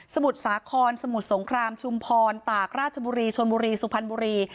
มุทรสาครสมุทรสงครามชุมพรตากราชบุรีชนบุรีสุพรรณบุรี